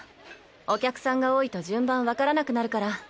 お客さんが多いと順番分からなくなるから。